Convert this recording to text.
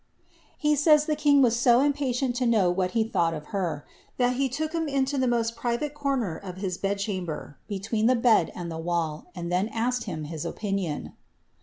He says the king was so impatient to know what he thought of her, Ihat he took him into the roost private corner of his bed chamber, be tween the bed and the wall, and then asked him his opinion.